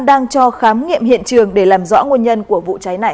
đang cho khám nghiệm hiện trường để làm rõ nguồn nhân của vụ cháy này